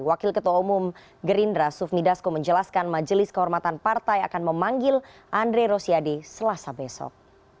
wakil ketua umum gerindra sufmi dasko menjelaskan majelis kehormatan partai akan memanggil andre rosiade selasa besok